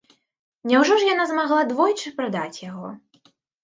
Няўжо ж яна змагла двойчы прадаць яго?